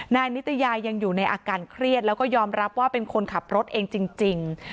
นิตยายังอยู่ในอาการเครียดแล้วก็ยอมรับว่าเป็นคนขับรถเองจริง